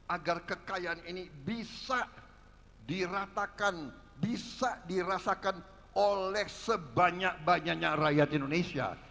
agar kekayaan ini bisa diratakan bisa dirasakan oleh sebanyak banyaknya rakyat indonesia